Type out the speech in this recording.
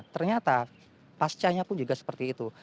ternyata pasca nya pun juga seperti itu